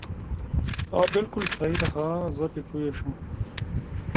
This systematic whole is the Kingdom of Ends.